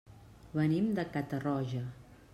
Venim de Catarroja.